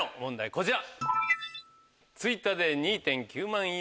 こちら。